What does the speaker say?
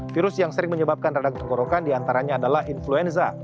virus yang sering menyebabkan radang tenggorokan diantaranya adalah influenza